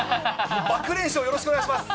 爆連勝よろしくお願いします。